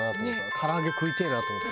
唐揚げ食いてえなと思った。